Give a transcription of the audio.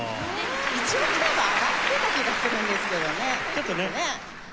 １オクターブ上がってた気がするんですけどね。